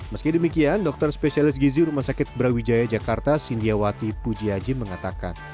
meski demikian dokter spesialis gizi rumah sakit brawijaya jakarta sindiawati pujiaji mengatakan